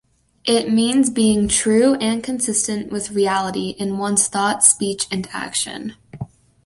It means being true and consistent with reality in one's thought, speech and action.